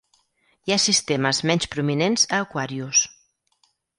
Hi ha sistemes menys prominents a Aquarius.